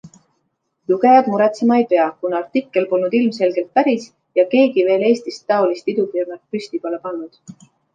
Lugejad muretsema ei pea, kuna artikkel polnud ilmselgelt päris ja keegi veel Eestist taolist idufirmat püsti pole pannud.